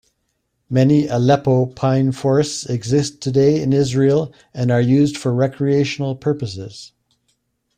Many Aleppo pine forests exist today in Israel and are used for recreational purposes.